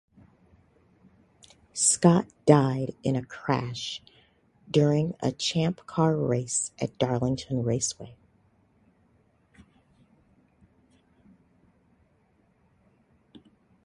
Scott died in a crash during a Champ Car race at Darlington Raceway.